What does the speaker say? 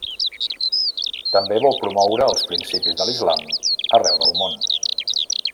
També vol promoure els principis de l'Islam arreu del món.